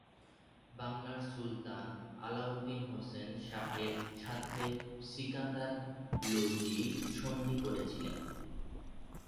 বাংলার সুলতান আলাউদ্দিন হোসেন শাহের সাথে সিকান্দার লোদি সন্ধি করেছিলেন।